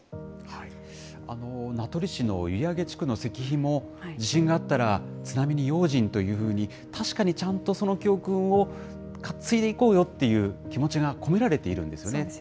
名取市の閖上地区の石碑も地震があったら津波に用心というふうに、確かにちゃんとその教訓を継いでいこうよという気持ちが込められているんですよね。